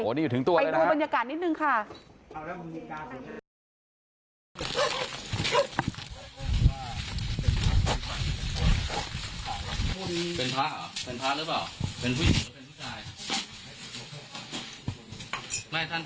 โหนี่อยู่ถึงตัวเลยนะครับไปดูบรรยากาศนิดหนึ่งค่ะ